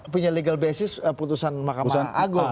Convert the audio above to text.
punya legal basis putusan mahkamah agung